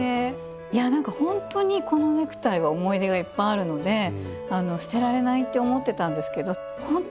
いやなんかほんとにこのネクタイは思い出がいっぱいあるので捨てられないって思ってたんですけどほんとに今回よかったです。